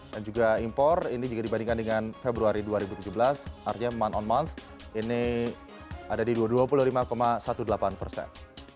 dan juga impor ini jika dibandingkan dengan februari dua ribu tujuh belas artinya month on month ini ada di dua puluh lima delapan belas persen